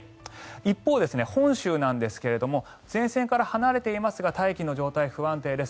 一方、本州なんですが前線から離れていますが大気の状態が不安定です。